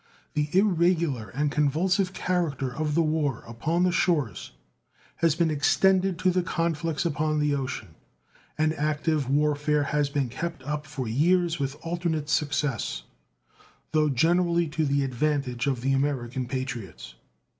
The irregular and convulsive character of the war upon the shores has been extended to the conflicts upon the ocean. An active warfare has been kept up for years with alternate success, though generally to the advantage of the American patriots.